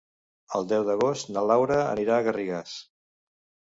El deu d'agost na Laura anirà a Garrigàs.